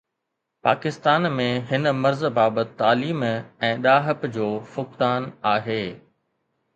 پاڪستان ۾ هن مرض بابت تعليم ۽ ڏاهپ جو فقدان آهي